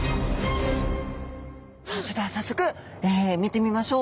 さあそれでは早速見てみましょう。